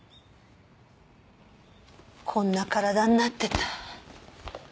こんな体になってた。